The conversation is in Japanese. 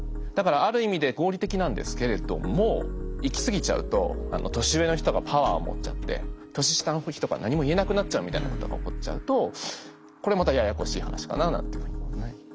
だからある意味で合理的なんですけれども行き過ぎちゃうと年上の人がパワーを持っちゃって年下の人が何も言えなくなっちゃうみたいなことが起こっちゃうとこれまたややこしい話かななんていうふうに。